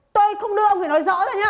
tôi không đưa ông phải nói rõ thôi nhé